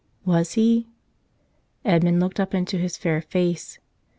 Was he? Edmund looked up into his fair face.